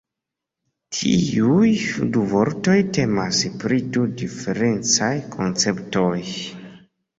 Tiuj du vortoj temas pri du diferencaj konceptoj.